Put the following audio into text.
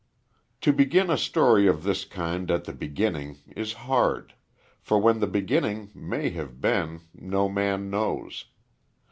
To begin a story of this kind at the beginning is hard; for when the beginning may have been, no man knows.